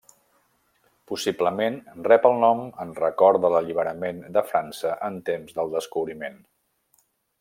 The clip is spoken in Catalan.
Possiblement rep el nom en record de l'alliberament de França en temps del descobriment.